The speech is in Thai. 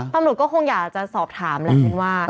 ตำรวจก็คงอยากจะสอบถามแหละเป็นว่า